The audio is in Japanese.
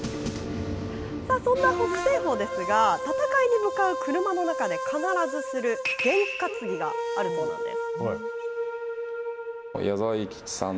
そんな北青鵬ですが戦いに向かう車の中で必ずするげん担ぎがあるんです。